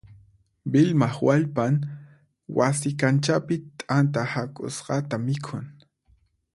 Vilmaq wallpan wasi kanchapi t'anta hak'usqata mikhun.